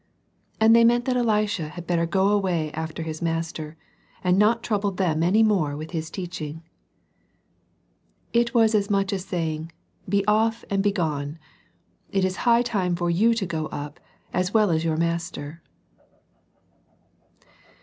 And they meant that Elisha had better go away after his master, and not trouble them any more with his teach ing. It was as much as saying, " Be off and begone ! It is high time for you to go up, as well as your master."